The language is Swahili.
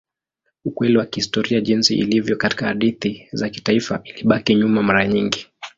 Ukweli wa kihistoria jinsi ilivyo katika hadithi za kitaifa ilibaki nyuma mara nyingi.